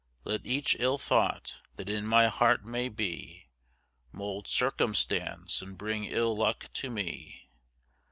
Let each ill thought that in my heart may be, Mould circumstance and bring ill luck to me.